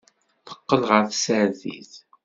Teqqel ɣer tsertit.